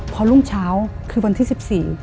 พอรุ่งเช้าคือวันที่๑๔